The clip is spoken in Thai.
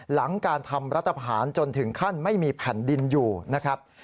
หลังการทำรัฐผ่านจนถึงขั้นไม่มีแผ่นดินอยู่นะครับ